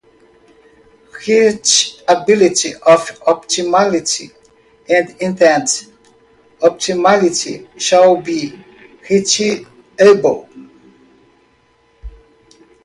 Reachability of Optimality: Any intended optimality shall be reachable.